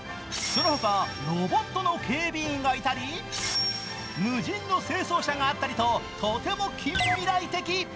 その他、ロボットの警備員がいたり無人の清掃車があったりととても近未来的。